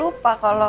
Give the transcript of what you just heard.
aku mau cari lo